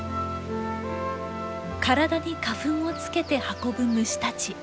体に花粉を付けて運ぶ虫たち。